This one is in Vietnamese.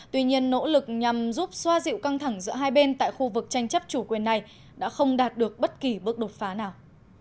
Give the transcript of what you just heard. tuy nhiên nỗ lực nhằm giúp xoa dịu căng thẳng giữa hai bên tại khu vực tranh chấp chủ quyền này đã không đạt được bất kỳ bước đột phá nào